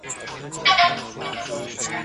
هلمند کولای شي چي د ټول هېواد غنم پوره کړي.